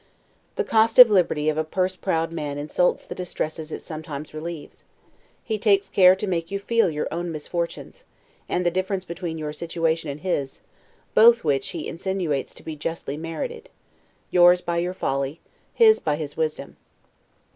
The costive liberality of a purse proud man insults the distresses it sometimes relieves; he takes care to make you feel your own misfortunes, and the difference between your situation and his; both which he insinuates to be justly merited: yours, by your folly; his, by his wisdom.